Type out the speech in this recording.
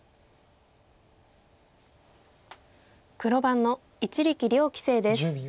黒番の一力遼棋聖です。